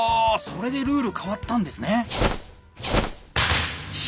それでルール変わったんですね！